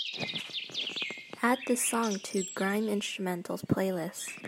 add this song to grime instrumentals playlist